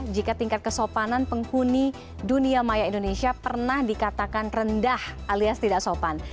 jika tingkat kesopanan penghuni dunia maya indonesia pernah dikatakan rendah alias tidak sopan